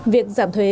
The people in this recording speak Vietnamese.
việc giảm thuế